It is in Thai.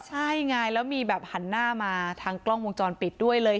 ใช่ไงแล้วมีแบบหันหน้ามาทางกล้องวงจรปิดด้วยเลย